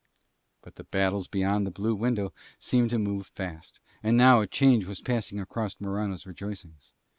But the battles beyond the blue window seemed to move fast, and now a change was passing across Morano's rejoicings.